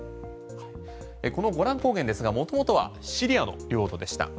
このゴラン高原ですが元々はシリアの領土でした。